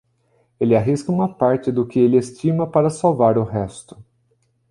Ele arrisca uma parte do que ele estima para salvar o resto.